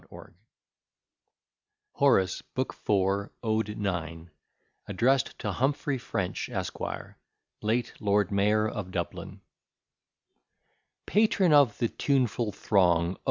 E. B._] HORACE, BOOK IV, ODE IX ADDRESSED TO HUMPHRY FRENCH, ESQ. LATE LORD MAYOR OF DUBLIN PATRON of the tuneful throng, O!